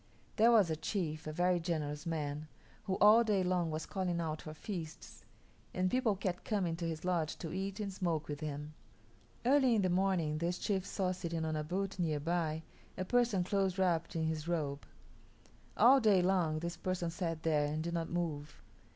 There was a chief, a very generous man, who all day long was calling out for feasts, and people kept coming to his lodge to eat and smoke with him. Early in the morning this chief saw sitting on a butte near by a person close wrapped in his robe. All day long this person sat there and did not move.